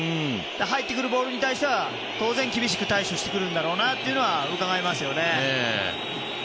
入ってくるボールに対しては当然、厳しく対処してくるんだろうなとうかがえますよね。